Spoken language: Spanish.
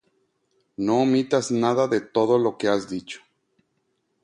no omitas nada de todo lo que has dicho.